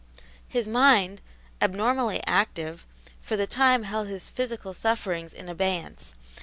His mind, abnormally active, for the time held his physical sufferings in abeyance.